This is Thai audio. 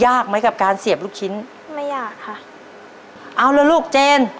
ไหมกับการเสียบลูกชิ้นไม่ยากค่ะเอาละลูกเจน